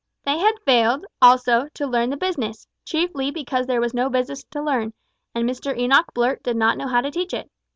They had failed, also, to learn the business; chiefly because there was no business to learn, and Mr Enoch Blurt did not know how to teach it.